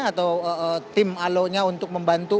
atau tim alo nya untuk membantu